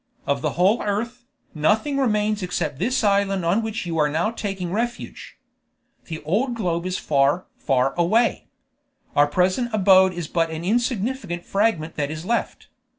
Of the whole earth, nothing remains except this island on which you are now taking refuge. The old globe is far, far away. Our present abode is but an insignificant fragment that is left.